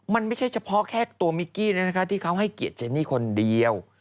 มันไม่ใช่เฉพาะแค่ตัวมิกกี้ที่เขาให้เกียรติเจนี่คนเดียว